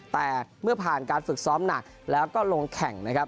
แต่เมื่อผ่านการฝึกซ้อมหนักแล้วก็ลงแข่งนะครับ